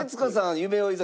『夢追い酒』